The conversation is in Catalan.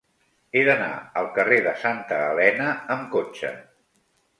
He d'anar al carrer de Santa Elena amb cotxe.